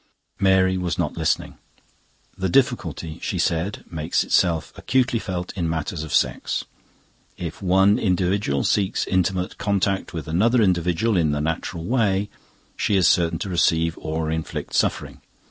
Mary was not listening. "The difficulty," she said, "makes itself acutely felt in matters of sex. If one individual seeks intimate contact with another individual in the natural way, she is certain to receive or inflict suffering.